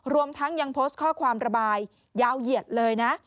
รวมทั้งยังโพสต์ข้อความระบายยาวเหยียดเลยนะ